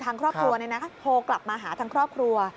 ทางครอบครัวโทรกลับมาหาทางครอบครัว